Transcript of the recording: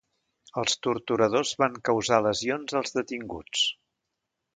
Els torturadors van causar lesions als detinguts.